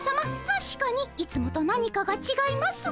たしかにいつもと何かがちがいます。